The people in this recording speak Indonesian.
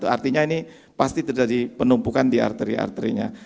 artinya ini pasti terjadi penumpukan di arteri arterinya